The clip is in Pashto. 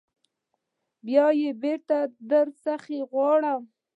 بیا یې بیرته در څخه غواړو.